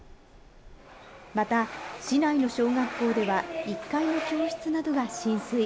また、市内の小学校では、１階の教室などが浸水。